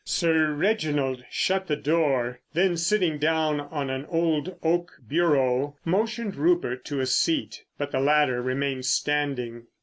Sir Reginald shut the door, then sitting down an old oak bureau motioned Rupert to a seat. But the latter remained standing.